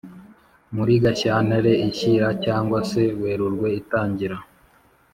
muri gashyantare ishira cyangwa se werurwe itangira.